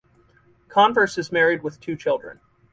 Converse is married with two children.